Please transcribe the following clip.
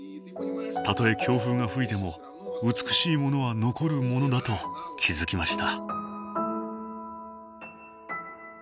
たとえ強風が吹いても美しいものは残るものだと気付きました。